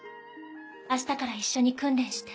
明日から一緒に訓練して。